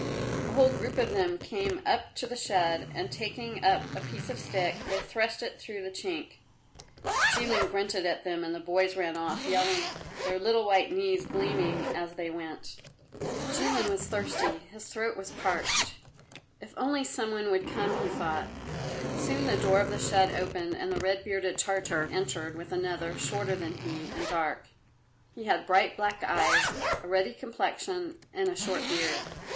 A whole group of them came up to the shed, and taking up a piece of stick, they thrust it through the chink. Jilin grunted at them and the boys ran off, yelling, their little white knees gleaming as they went. Jilin was thirsty; his throat was parched. "If only some one would come," he thought. Soon the door of the shed opened and the red bearded Tartar entered with another, shorter than he, and dark. He had bright black eyes, a ruddy complexion and a short beard.